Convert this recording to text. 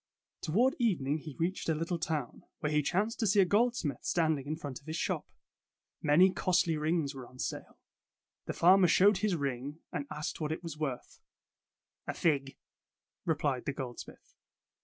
Toward evening he reached a little town, where he chanced to see a goldsmith stand ing in front of his shop. Many costly rings were on sale. The farmer showed his ring and asked what it was worth. ''A fig," replied the goldsmith.